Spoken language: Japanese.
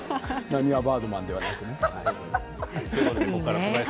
なにわバードマンではなくね。